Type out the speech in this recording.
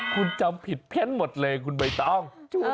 คุณจำผิดเพี้ยนหมดเลยคุณใบตอง